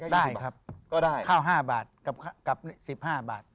ได้ครับก็ได้ข้าว๕บาทกับ๑๕บาท